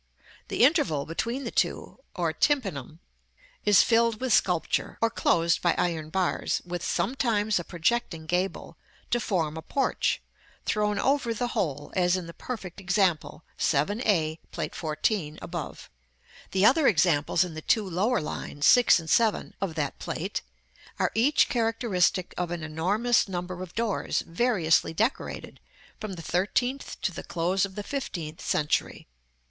The interval between the two, or tympanum, is filled with sculpture, or closed by iron bars, with sometimes a projecting gable, to form a porch, thrown over the whole, as in the perfect example, 7 a, Plate XIV., above. The other examples in the two lower lines, 6 and 7, of that Plate are each characteristic of an enormous number of doors, variously decorated, from the thirteenth to the close of the fifteenth century.